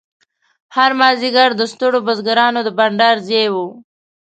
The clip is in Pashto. هر مازیګر د ستړو بزګرانو د بنډار ځای و.